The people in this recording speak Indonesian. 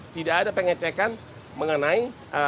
tidak ada pengecekan mengenai